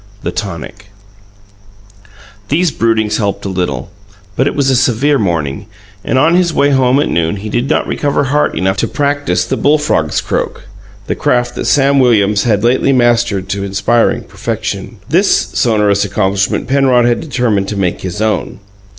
THE TONIC These broodings helped a little; but it was a severe morning, and on his way home at noon he did not recover heart enough to practice the bullfrog's croak, the craft that Sam Williams had lately mastered to inspiring perfection. This sonorous accomplishment Penrod had determined to make his own.